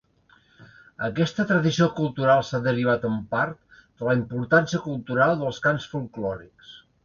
Aquesta tradició cultural s'ha derivat, en part, de la importància cultural dels cants folklòrics.